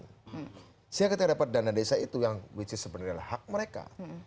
sehingga kita dapat dana desa itu yang which is sebenarnya adalah hak mereka